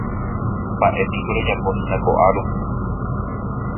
Mba'épiko rejapohína ko'árupi.